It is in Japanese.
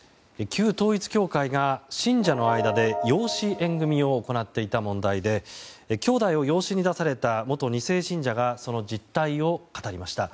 旧統一教会が、信者の間で養子縁組を行っていた問題できょうだいを養子に出された元２世信者がその実態を語りました。